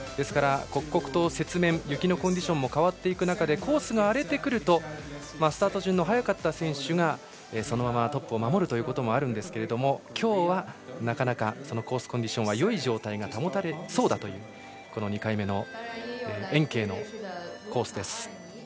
ですから、刻々と雪面雪のコンディションも変わってくる中でコースが荒れてくるとスタート順の早かった選手がそのままトップを守るということもあるんですがきょうはコースコンディションはよい状態が保たれそうだという２回目の延慶のコースです。